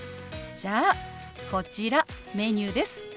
じゃあこちらメニューです。